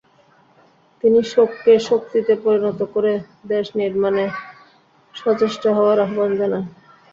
তিনি শোককে শক্তিতে পরিণত করে দেশ নির্মাণে সচেষ্ট হওয়ার আহ্বান জানান।